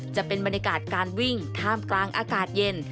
จะเป็นบรรยากาศการวิ่งท่ามกลางอากาศเย็น